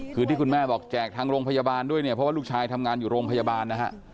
คือที่คุณแม่บอกแจกทางโรงพยาบาลด้วยเนี่ยเพราะว่าลูกชายทำงานอยู่โรงพยาบาลนะฮะ